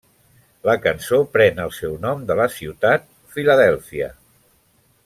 La cançó pren el seu nom de la ciutat Filadèlfia.